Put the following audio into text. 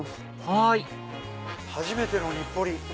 はい初めての日暮里。